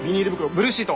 ブルーシート